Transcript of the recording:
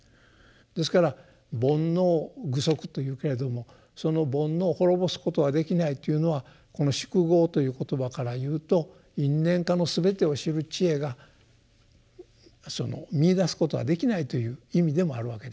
ですから「煩悩具足」と言うけれどもその煩悩を滅ぼすことができないっていうのはこの「宿業」という言葉から言うと「因・縁・果」の全てを知る智慧が見いだすことができないという意味でもあるわけですね。